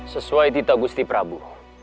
sesuai titah gusti prabu